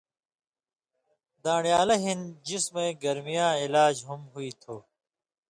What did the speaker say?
دان٘ڑیالہ ہِن جسمَیں گرمَیاں علاج ہُم ہُوئ تُھو